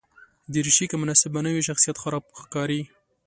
دریشي که مناسبه نه وي، شخصیت خراب ښکاروي.